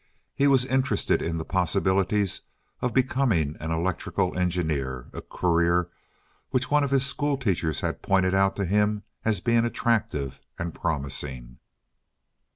He was interested in the possibilities of becoming an electrical engineer, a career which one of his school teachers had pointed out to him as being attractive and promising.